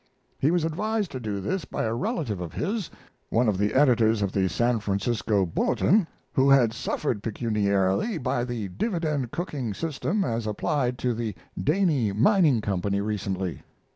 He was advised to do this by a relative of his, one of the editors of the San Francisco Bulletin, who had suffered pecuniarily by the dividend cooking system as applied to the Daney Mining Company recently.